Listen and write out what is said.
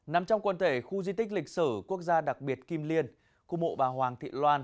nằm trong quần thể khu di tích lịch sử quốc gia đặc biệt kim liên khu mộ bà hoàng thị loan